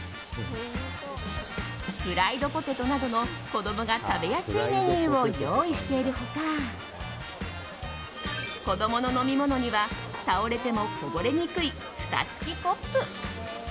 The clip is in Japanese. フライドポテトなどの子供が食べやすいメニューを用意している他子供の飲み物には倒れてもこぼれにくいふた付きコップ。